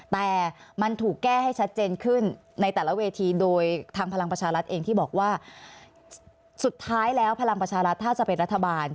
แต่มันถูกแก้ให้ชัดเจนขึ้นในแต่ละเวทีโดยทางพลังประชารัฐเองที่บอกว่าสุดท้ายแล้วพลังประชารัฐถ้าจะเป็นรัฐบาล